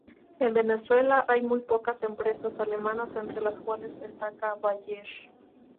En Venezuela hay muy pocas empresas alemanas entre las cuales destaca Bayer.